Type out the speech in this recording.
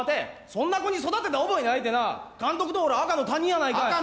「そんな子に育てた覚えない」ってな監督と俺赤の他人やないかい！